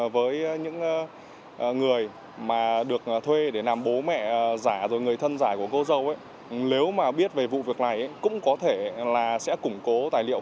với những người mà được thuê để làm bố mẹ giả rồi người thân giải của cô dâu nếu mà biết về vụ việc này cũng có thể là sẽ củng cấp